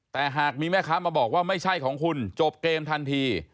แต่หากมีแม่ค้ามาบอกว่าไม่ใช่ของคุณจบเกมทันที